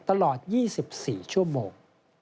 ตลอด๒๔ชั่วโมง